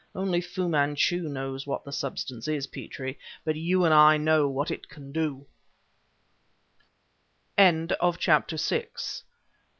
Only Fu Manchu knows what that substance is, Petrie, but you and I know what it can do!" CHAPTER VII.